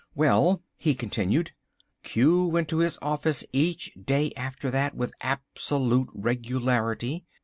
"Well," he continued, "Q went to his office each day after that with absolute regularity.